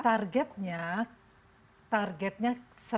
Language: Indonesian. targetnya targetnya seratus